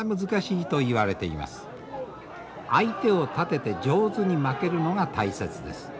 相手を立てて上手に負けるのが大切です。